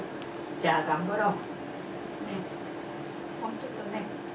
じゃあ頑張ろう。